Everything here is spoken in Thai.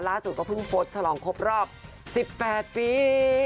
ล่าสุดก็เพิ่งโพสต์ฉลองครบรอบ๑๘ปี